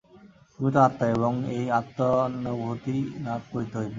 তুমি তো আত্মা এবং এই আত্মানুভূতিই লাভ করিতে হইবে।